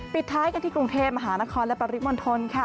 ปิดท้ายกันที่กรุงเทพมหานครและปริมณฑล